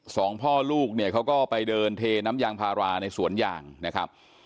สองพ่อลูกเนี่ยเขาก็ไปเดินเทน้ำยางพาราในสวนยางนะครับ